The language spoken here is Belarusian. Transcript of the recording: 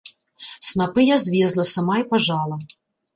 Снапы я звезла, сама і пажала.